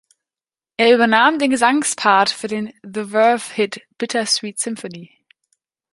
Er übernahm den Gesangspart für den The-Verve-Hit "Bitter Sweet Symphony".